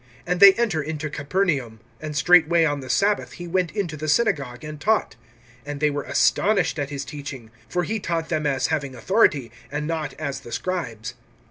(21)And they enter into Capernaum; and straightway on the sabbath he went into the synagogue, and taught. (22)And they were astonished at his teaching; for he taught them as having authority, and not as the scribes.